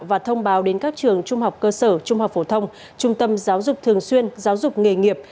và thông báo đến các trường trung học cơ sở trung học phổ thông trung tâm giáo dục thường xuyên giáo dục nghề nghiệp